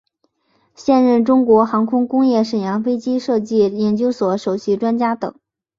现任中国航空工业沈阳飞机设计研究所首席专家等。